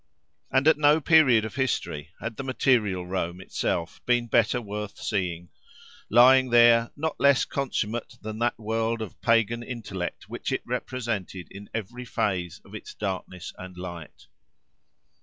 And at no period of history had the material Rome itself been better worth seeing—lying there not less consummate than that world of pagan intellect which it represented in every phase of its darkness and light.